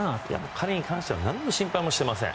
彼に関してはなんの心配もしてません。